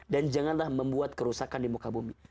dan janganlah membuat kerusakan di muka bumi